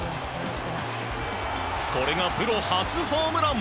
これがプロ初ホームラン。